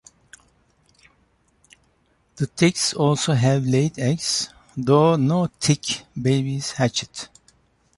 The ticks also have laid eggs, though no tick babies hatched.